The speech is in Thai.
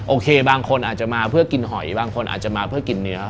โอเคบางคนอาจจะมาเพื่อกินหอยบางคนอาจจะมาเพื่อกินเนื้อ